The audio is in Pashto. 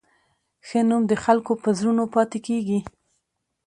ښه نوم د خلکو په زړونو پاتې کېږي.